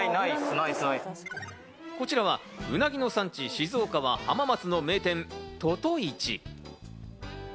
こちらはウナギの産地・静岡は浜松の名店・魚魚一。